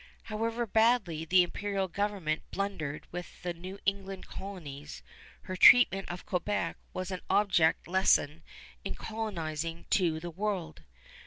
However badly the imperial government blundered with the New England colonies, her treatment of Quebec was an object lesson in colonizing to the world.